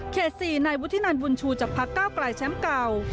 เขตสี่นายวุฒินันบุญชูจากพักฯก้าวไกรแช้มเก่า